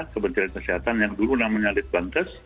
kementerian kesehatan yang dulu namanya litbangkes